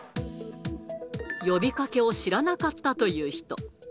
呼びかけを知らなかったという人。